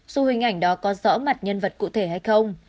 dù hình ảnh đó có rõ mặt nhân vật cụ thể hay không